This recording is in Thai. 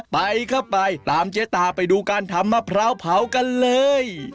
ไปเข้าไปตามเจ๊ตาไปดูการทำมะพร้าวเผากันเลย